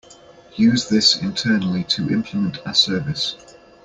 Use this internally to implement a service.